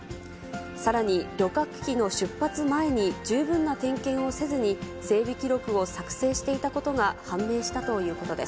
さらに、旅客機の出発前に十分な点検をせずに、整備記録を作成していたことが判明したということです。